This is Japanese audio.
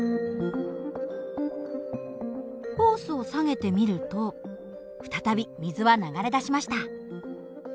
ホースを下げてみると再び水は流れ出しました。